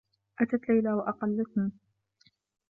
أتت ليلى و أقلّتني.